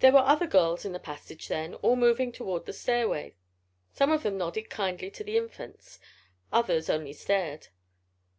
There were other girls in the passage then, all moving toward the stairway. Some of them nodded kindly to the Infants. Others only stared.